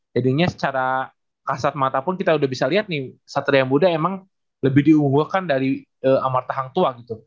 jadinya secara kasat mata pun kita udah bisa lihat nih satria muda emang lebih diungguhkan dari amartahang tua gitu